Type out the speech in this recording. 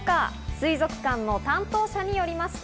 水族館の担当者によりますと。